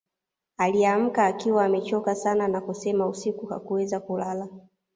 Aliamka akiwa amechoka sana na kusema usiku hakuweza kulala